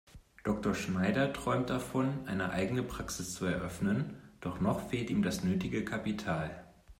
Dr. Schneider träumt davon, eine eigene Praxis zu eröffnen, doch noch fehlt ihm das nötige Kapital.